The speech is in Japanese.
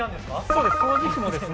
そうです。